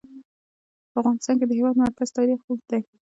په افغانستان کې د د هېواد مرکز تاریخ اوږد دی.